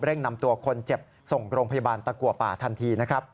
เร่งนำตัวคนเจ็บส่งโรงพยาบาลตะกว่าป่าทันที